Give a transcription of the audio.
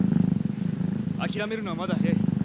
諦めるのはまだ早い。